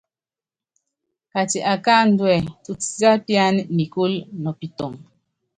Kati akáandúɛ, tutisiápíana nikúlu nɔ pitɔŋ.